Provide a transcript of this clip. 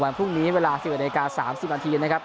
พรุ่งนี้เวลา๑๑นาที๓๐นาทีนะครับ